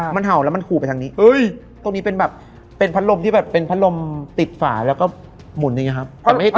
มันเห่าแล้วมันขู่ไปทางนี้ตรงนี้เป็นแบบเป็นพัดลมที่แบบเป็นพัดลมติดฝาแล้วก็หมุนอย่างนี้ครับ